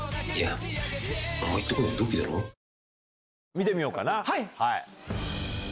見てみようかな。